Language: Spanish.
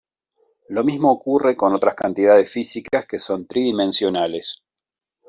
Lo mismo ocurre con otras cantidades físicas que son tridimensionales.